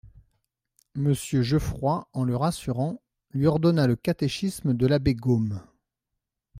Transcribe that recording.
Monsieur Jeufroy, en le rassurant, lui ordonna le Catéchisme de l'abbé Gaume.